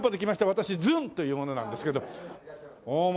私ずんという者なんですけど。